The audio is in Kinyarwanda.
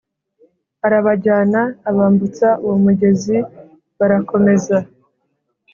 Arabajyana abambutsa uwo mugezi barakomeza